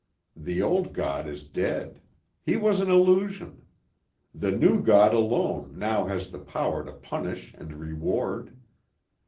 The old God is dead. He was an illusion. The new God alone now has the power to punish and reward.